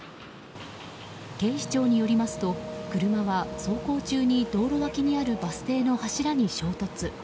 警視庁によりますと車は走行中に道路脇にあるバス停の柱に衝突。